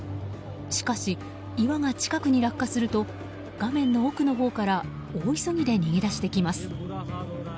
しかし、岩が近くに落下すると画面の奥のほうから大急ぎで逃げ出してきます。